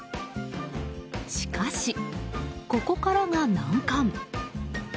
しかし、ここからが難関。